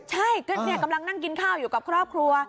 ใช่ก็กำลังนั่งกินข้าวอยู่กับครอบครัว